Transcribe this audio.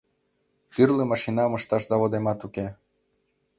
Тӱрлӧ машинам ышташ заводемат уке.